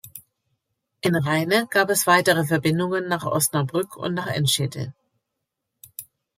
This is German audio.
In Rheine gab es weitere Verbindungen nach Osnabrück und nach Enschede.